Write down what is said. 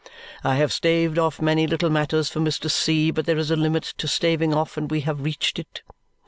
I have staved off many little matters for Mr. C., but there is a limit to staving off, and we have reached it.